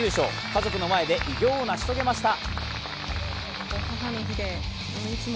家族の前で偉業を成し遂げました。